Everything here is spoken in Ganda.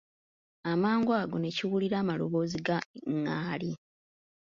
Amangu ago ne kiwulira amaloboozi ga ngaali.